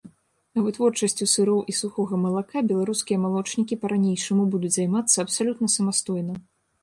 А вытворчасцю сыроў і сухога малака беларускія малочнікі па-ранейшаму будуць займацца абсалютна самастойна.